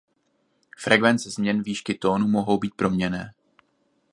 Frekvence změn výšky tónu mohou být proměnné.